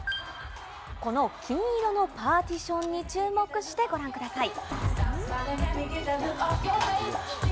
この金色のパーティションに注目してご覧ください。